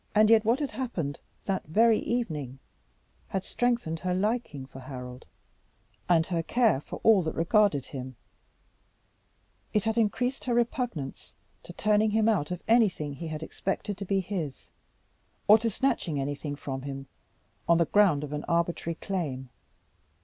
Yet what had happened that very evening had strengthened her liking for Harold, and her care for all that regarded him: it had increased her repugnance to turning him out of anything he had expected to be his, or to snatching anything from him on the ground of an arbitrary claim.